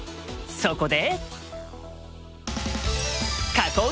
そこで。